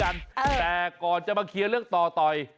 จะมาเคลียร์เรื่องนี้กันแต่ก่อนจะมาเคลียร์เรื่องต่อต่อย